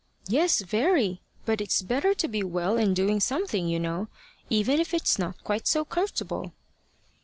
"Yes, very. But it's better to be well and doing something, you know, even if it's not quite so comfortable."